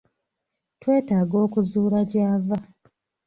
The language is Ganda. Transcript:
twetaaga okuzuula gy'ava.